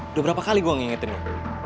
udah berapa kali gue ngingetin gue